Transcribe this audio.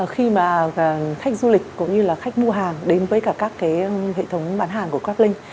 khi mà khách du lịch cũng như khách mua hàng đến với các hệ thống bán hàng của grablink